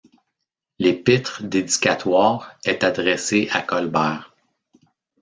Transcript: L'épître dédicatoire est adressée à Colbert.